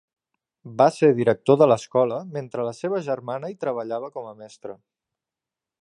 Va ser director de l'escola mentre la seva germana hi treballava com a mestra.